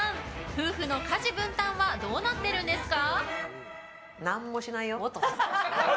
夫婦の家事分担はどうなってるんですか？